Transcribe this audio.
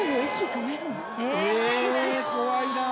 怖いなぁ。